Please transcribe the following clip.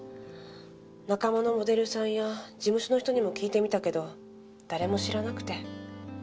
仲間のモデルさんや事務所の人にも聞いてみたけど誰も知らなくて。